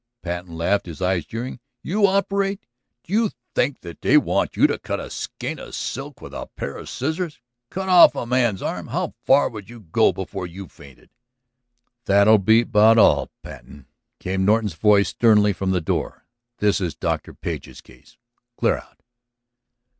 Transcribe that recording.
Patten laughed, his eyes jeering. "You operate? Do you think that they want you to cut a skein of silk with a pair of scissors? Cut off a man's arm ... how far would you go before you fainted?" "That'll be about all, Patten," came Norton's voice sternly from the door. "This is Dr. Page's case. Clear out."